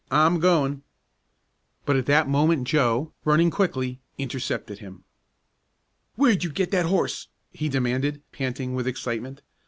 "I'm goin'!" But at that moment Joe, running quickly, intercepted him. "Where'd you get that horse?" he demanded, panting with excitement.